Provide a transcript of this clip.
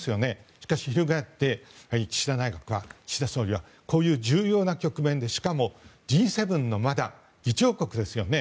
しかし翻って岸田総理はこういう重要な局面でしかもＧ７の議長国ですよね。